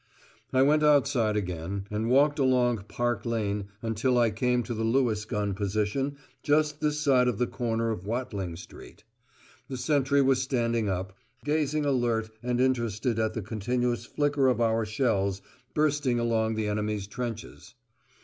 I went outside again, and walked along Park Lane until I came to the Lewis gun position just this side of the corner of Watling Street. The sentry was standing up, with his elbows on the ground level (there was no parapet) gazing alert and interested at the continuous flicker of our shells bursting along the enemy's trenches.